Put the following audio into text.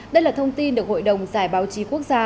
đây là thông tin được hội đồng giải báo chí quốc gia